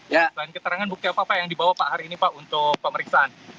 dan keterangan bukti apa yang dibawa pak hari ini pak untuk pemeriksaan